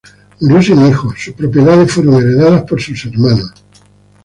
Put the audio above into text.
Murió sin hijos, sus propiedades fueron heredadas por sus hermanos.